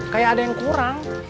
kayak ada yang kurang